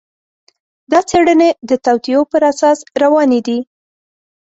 دا څېړنې د توطیو پر اساس روانې دي.